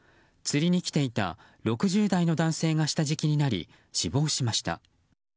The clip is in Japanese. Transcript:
釣りに来ていた６０代の男性が下敷きになり、死亡しました。